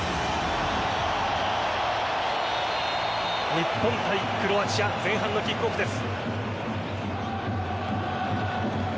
日本対クロアチア前半のキックオフです。